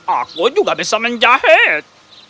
aku juga bisa menjahit